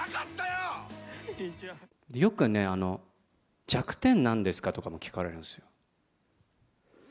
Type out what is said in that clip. よくね、あの、弱点なんですかとかも聞かれるんですよ。